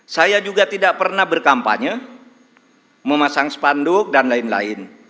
saya juga tidak pernah berkampanye memasang spanduk dan lain lain